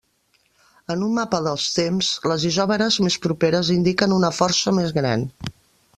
En un mapa dels temps, les isòbares més properes indiquen una força més gran.